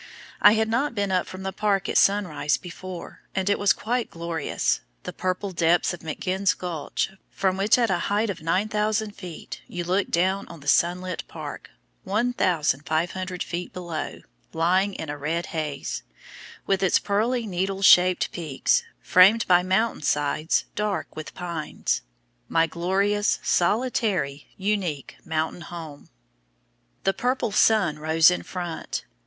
I had not been up from the park at sunrise before, and it was quite glorious, the purple depths of M'Ginn's Gulch, from which at a height of 9,000 feet you look down on the sunlit park 1,500 feet below, lying in a red haze, with its pearly needle shaped peaks, framed by mountain sides dark with pines my glorious, solitary, unique mountain home! The purple sun rose in front.